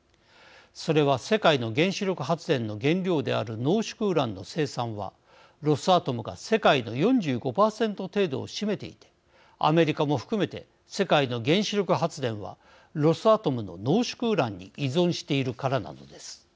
それは世界の原子力発電の原料である濃縮ウランの生産はロスアトムが世界の４５％程度を占めていてアメリカも含めて世界の原子力発電はロスアトムの濃縮ウランに依存しているからなのです。